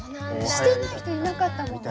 してない人いなかったもんね。